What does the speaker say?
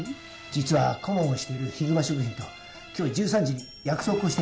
実は顧問をしているひぐま食品と今日１３時に約束をしてるんです。